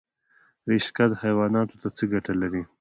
رشقه حیواناتو ته څه ګټه لري؟